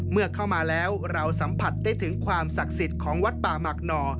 เมื่อเข้ามาแล้วเราสัมผัสได้ถึงความศักดิ์สิทธิ์ของวัดป่าหมักหน่อ